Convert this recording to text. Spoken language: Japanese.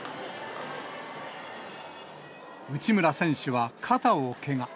内村選手は肩をけが。